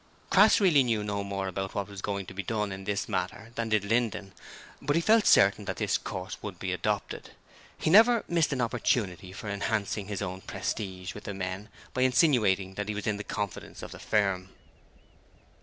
Crass really knew no more about what was going to be done in this matter than did Linden, but he felt certain that this course would be adopted. He never missed an opportunity of enhancing his own prestige with the men by insinuating that he was in the confidence of the firm.